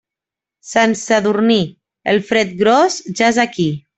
Sant Sadurní, el fred gros ja és aquí.